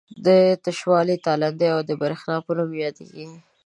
دا تشوالی د تالندې او برېښنا په نوم یادیږي.